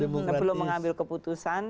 belum mengambil keputusan